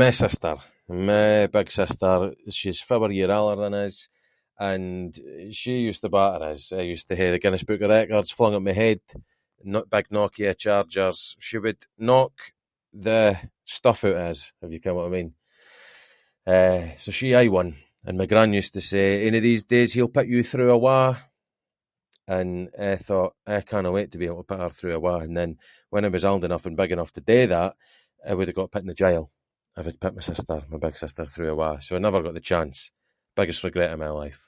My sister, my big sister she’s four year older than us, and she used to batter us. I used to hae the Guinness book of records flung at me head, No- big Nokia chargers, she would knock the stuff oot of us, if you ken what I mean, eh, so she aie won, and my gran used to say, ain of these days he’ll put you through a wa’ and I thought I cannae wait to be able to put her through a wa’ and then when I was old enough and big enough to do that, I would have got put in the jail, if I’d put my sister, my big sister, through a wa’, so I never got the chance, biggest regret of my life.